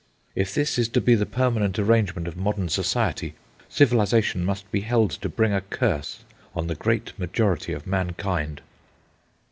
If this is to be the permanent arrangement of modern society, civilization must be held to bring a curse on the great majority of mankind.